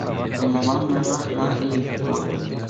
En la Band narra la y el fútbol.